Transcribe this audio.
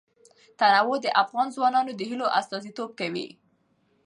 تنوع د افغان ځوانانو د هیلو استازیتوب کوي.